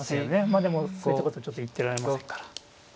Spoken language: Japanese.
まあでもそういったことちょっと言ってられませんから。